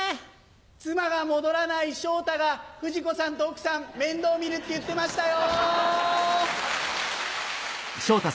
妻が戻らない昇太がフジコさんと奥さん面倒見るって言ってましたよ！